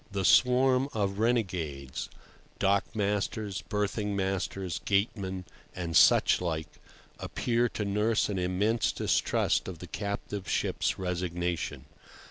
The swarm of renegades—dock masters, berthing masters, gatemen, and such like—appear to nurse an immense distrust of the captive ship's resignation.